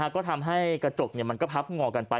ก็ทำให้กระจกมันก็พับงอกันไป